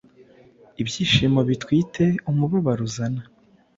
Ibyishimo bitwite, umubabaro uzana.